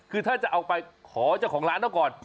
คือถ้าจะเอาไปขอเจ้าของร้านเอาก่อน